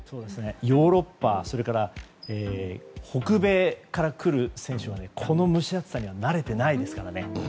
ヨーロッパや北米から来る選手はこの蒸し暑さには慣れてないですからね。